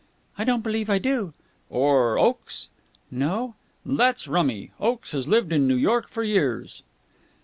"I don't believe I do." "Or Oakes?" "No." "That's rummy! Oakes has lived in New York for years."